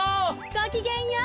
ごきげんよう！